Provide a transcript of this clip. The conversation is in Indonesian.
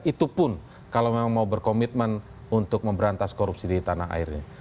itu pun kalau memang mau berkomitmen untuk memberantas korupsi di tanah air ini